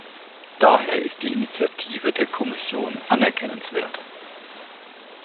Daher ist die Initiative der Kommission anerkennenswert.